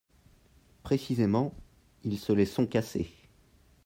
Précisément, ils se les sont cassées